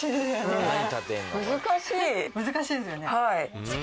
難しいですよね。